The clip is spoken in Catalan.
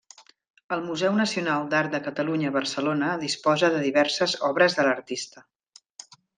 El Museu Nacional d'Art de Catalunya a Barcelona, disposa de diverses obres de l'artista.